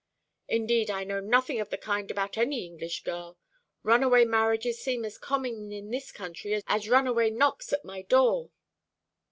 "Indeed, I know nothing of the kind about any English girl. Runaway marriages seem as common in this country as runaway knocks at my door."